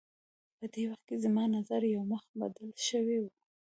په دې وخت کې زما نظر یو مخ بدل شوی و.